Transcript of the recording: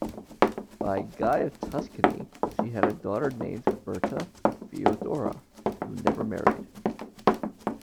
By Guy of Tuscany she had a daughter named Berta Theodora, who never married.